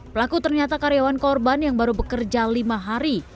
pelaku ternyata karyawan korban yang baru bekerja lima hari